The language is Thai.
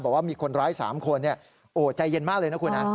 บอกว่ามีคนร้ายสามคนเนี่ยโอ้ใจเย็นมากเลยนะคุณฮะ